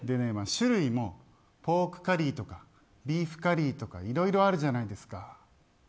種類もポークカリーとかビーフカリーとかいろいろあるじゃないですか。